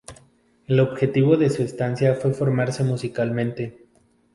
El objetivo de su estancia fue formarse musicalmente.